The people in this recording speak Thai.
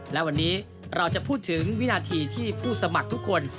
และวันนี้เราจะพูดถึงวินาทีที่ผู้สมัครทุกคน